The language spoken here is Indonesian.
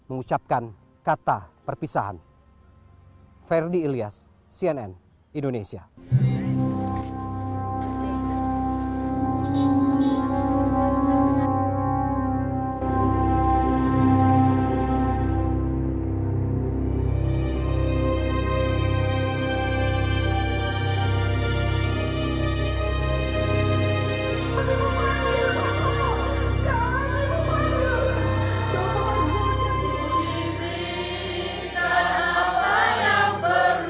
agar tidak ada lagi orang orang yang harus pergi tanpa sempat